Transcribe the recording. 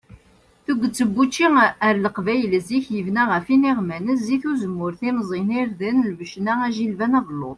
Tuget n wučči ar leqbayel zik yebna ɣef iniɣman, zit uzemmur, timẓin, irden, lbecna, ajilban, abelluḍ.